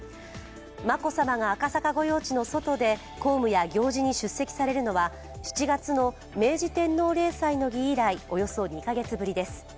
眞子さまが赤坂御用地の外で公務や行事に出席されるのは７月の明治天皇例祭の儀以来、およそ２カ月ぶりです。